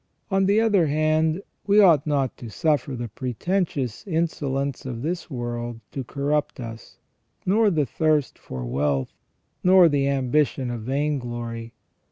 On the other hand, we ought not to suffer the pretentious insolence of this world to corrupt us, nor the thirst for wealth, nor the ambition of vainglory.